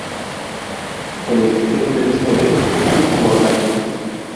Con el título previsto de "¡Al Abordaje!